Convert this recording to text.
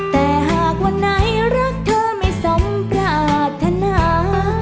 แต่หากวันไหนรักเธอไม่สมปรารถนา